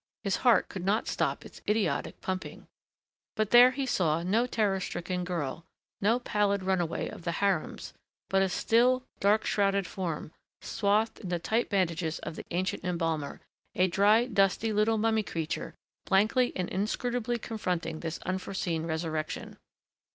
His heart could not stop its idiotic pumping. But there he saw no terror stricken girl, no pallid runaway of the harems, but a still, dark shrouded form, swathed in the tight bandages of the ancient embalmer, a dry, dusty little mummy creature blankly and inscrutably confronting this unforeseen resurrection.